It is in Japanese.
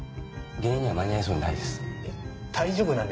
ゲネには間に合いそうにないです。